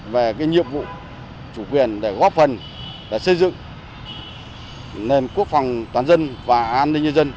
về nhiệm vụ chủ quyền để góp phần xây dựng nền quốc phòng toàn dân và an ninh nhân dân